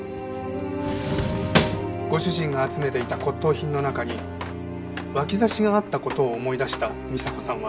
ご主人が集めていた骨董品の中に脇差しがあった事を思い出した美沙子さんは。